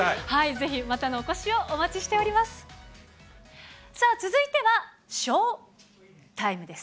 ぜひまたのお越しをお待ちしております。